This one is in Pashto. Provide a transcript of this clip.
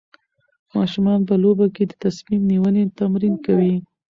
ماشومان په لوبو کې د تصمیم نیونې تمرین کوي.